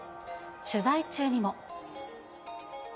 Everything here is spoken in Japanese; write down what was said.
取材中にも。